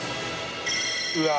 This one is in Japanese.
うわ。